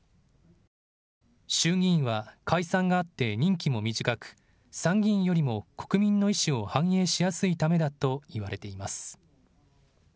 衆議院は解散があって任期も短く参議院よりも国民の意思を反映しやすいためだといわれています。